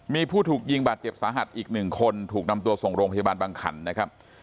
มีผู้ถูกยิงบาดเจ็บสาหัสอีกหนึ่งคนถูกนำตัวส่งโรงพยาบาลบางขันนะครับ